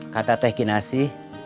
kata teh kinasi